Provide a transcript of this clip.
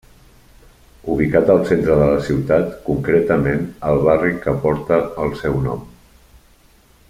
Ubicat al centre de la ciutat concretament al barri que porta el seu nom.